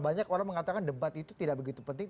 banyak orang mengatakan debat itu tidak begitu penting